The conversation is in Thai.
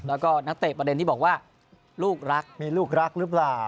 แล้วก็นักเตะประเด็นที่บอกว่าลูกรักมีลูกรักหรือเปล่า